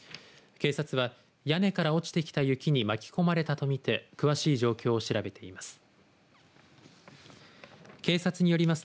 警察は、屋根から落ちてきた雪に巻き込まれたと見て詳しい状況を調べています。